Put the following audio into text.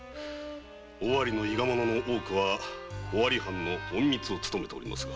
尾張の伊賀者の多くは尾張藩の隠密を務めております。